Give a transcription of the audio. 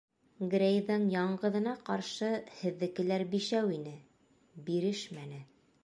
Грейҙың яңғыҙына ҡаршы һеҙҙекеләр бишәү ине, бирешмәне.